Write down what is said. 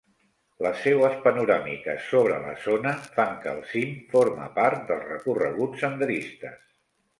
Les seues panoràmiques sobre la zona fan que el cim forme part de recorreguts senderistes.